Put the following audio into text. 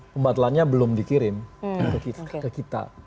pembatalannya belum dikirim ke kita